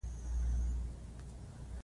د فارم لپاره معیاري نقشه جوړول حتمي ده.